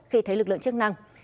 khi thấy lực lượng chức năng